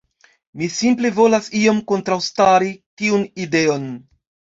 Mi simple volas iom kontraŭstari tiun ideon.